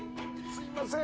すいません